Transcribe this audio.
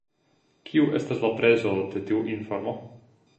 Kiu estas la prezo de tiu informo?